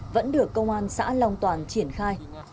vẫn được công an xã long toàn triển khai